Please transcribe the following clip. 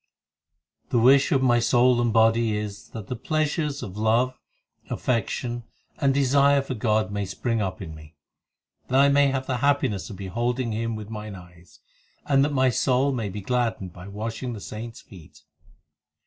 The wish of my soul and body is That the pleasures of love, affection, and desire for God may spring up in me ; That I may have the happiness of beholding Him with mine eyes ; And that my soul may be gladdened by washing the saints feet.